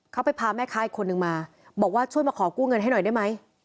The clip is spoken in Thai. เขาไปพาแม่ค้าอีกคนนึงมาบอกว่าช่วยมาขอกู้เงินให้หน่อยได้ไหม